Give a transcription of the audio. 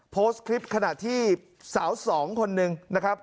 โพสต์คลิปขณะที่สาวสองคนหนึ่งนะครับ